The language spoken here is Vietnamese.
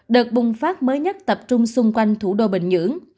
đợt bùng phát mới nhất tập trung xung quanh thủ đô bình nhưỡng